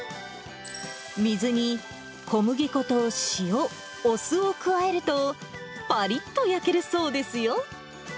水に小麦粉と塩、お酢を加えると、ぱりっと焼けるそうですよ。